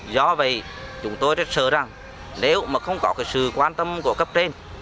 do vậy chúng tôi rất sợ rằng nếu mà không có sự quan tâm của cấp trên